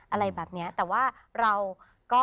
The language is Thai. อะไรแบบนี้แต่ว่าเราก็